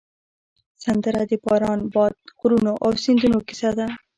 سندره د باران، باد، غرونو او سیندونو کیسه ده